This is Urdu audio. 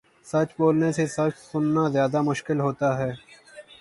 سچ بولنے سے سچ سنا زیادہ مشکل ہوتا ہے